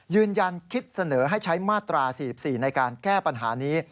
ยืนยันคิดเสนอให้ใช้มาตรา๔๔ในการแก้ปัญหานี้